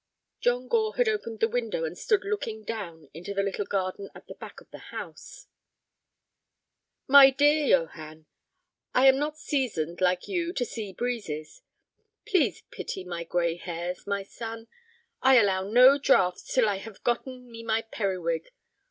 John Gore had opened the window, and stood looking down into the little garden at the back of the house. "My dear Johann, I am not seasoned, like you, to sea breezes. Please pity my gray hairs, my son. I allow no draughts till I have gotten me my periwig.